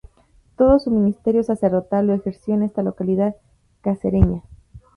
Todo su ministerio sacerdotal lo ejerció en esta localidad cacereña.